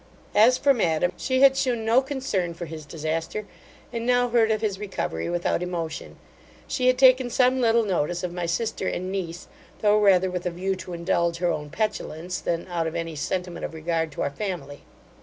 As for madam, she had shewn no concern for his disaster, and now heard of his recovery without emotion She had taken some little notice of my sister and niece, though rather with a view to indulge her own petulance, than out of any sentiment of regard to our family.